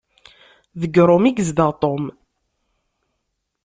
Deg Rome i yezdeɣ Tom.